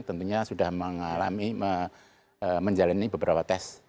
tentunya sudah mengalami menjalani beberapa tes